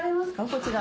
こちら。